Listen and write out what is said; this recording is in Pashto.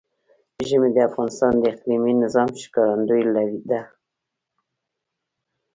ژمی د افغانستان د اقلیمي نظام ښکارندوی ده.